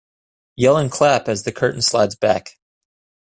Yell and clap as the curtain slides back.